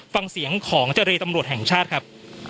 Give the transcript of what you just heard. ฟังเสียงของเจรตำรวจแห่งชาติครับ